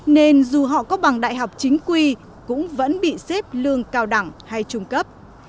nên dù họ có bằng đại học chính quy cũng vẫn bị xếp lương cao đẳng hay trung cấp